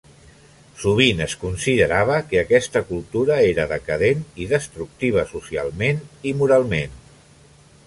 Sovint es considerava que aquesta cultura era decadent i destructiva socialment i moralment.